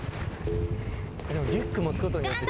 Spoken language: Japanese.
リュック持つことによって。